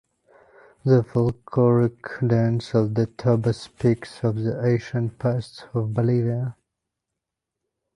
The folkloric dance of the Tobas speaks of the ancient past of Bolivia.